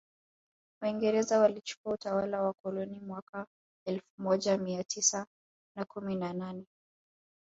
Waingereza walichukua utawala wa koloni mwaka elfu moja mia tisa na kumi na nane